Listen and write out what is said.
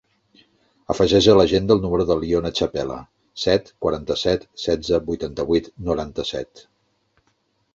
Afegeix a l'agenda el número de l'Iona Chapela: set, quaranta-set, setze, vuitanta-vuit, noranta-set.